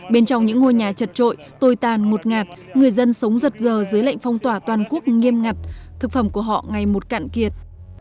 bên trong những ngôi nhà chật trội tôi tàn một ngạt người dân sống giật dờ dưới lệnh phong tỏa toàn quốc nghiêm ngặt thực phẩm của họ ngày một cạn kiệt